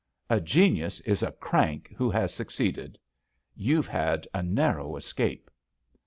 "A genius is a crank who has succeeded. YouVe had a narrow escape."